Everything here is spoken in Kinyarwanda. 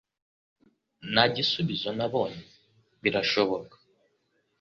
Nta gisubizo nabonye. (birashoboka)